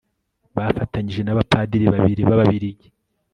bafatanyije n'abapadiri babiri b'ababiligi